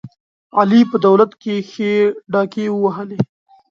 علي په دولت کې ښې ډاکې ووهلې.